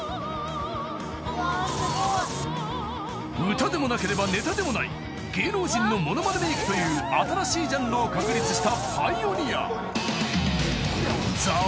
［歌でもなければネタでもない芸能人のものまねメイクという新しいジャンルを確立した］